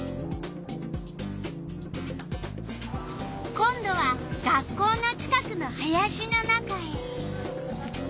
今度は学校の近くの林の中へ。